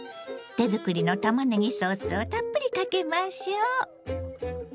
手作りのたまねぎソースをたっぷりかけましょ。